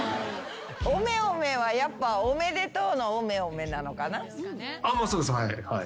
「おめおめ」はやっぱ「おめでとう」の「おめおめ」なのかな？